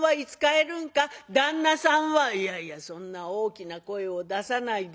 「いやいやそんな大きな声を出さないで。